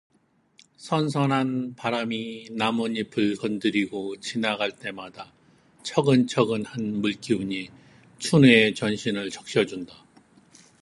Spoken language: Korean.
선선 한 바람이 나뭇잎을 건드리고 지나갈 때마다 처끈처끈한 물기운이 춘우의 전신을 적셔 준다.